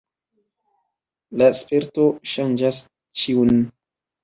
La sperto ŝanĝas ĉiun.